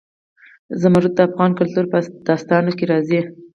زمرد د افغان کلتور په داستانونو کې راځي.